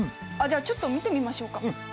じゃあちょっと見てみましょうか。